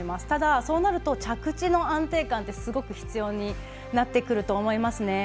ただ、そうなると着地の安定感ってすごく必要になってくると思います。